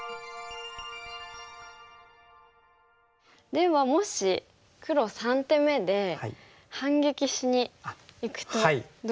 ではもし黒３手目で反撃しにいくとどうなるんですか？